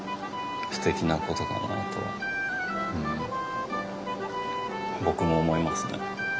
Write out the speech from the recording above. すてきなことだなと僕も思いますね。